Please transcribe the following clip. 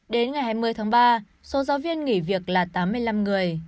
đến ngày hai mươi tháng ba số giáo viên nghỉ việc là tám mươi năm người